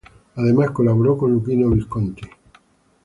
Además colaboró con Luchino Visconti.